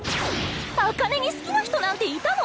紅葉に好きな人なんていたの？